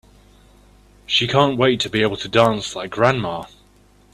She can't wait to be able to dance like grandma!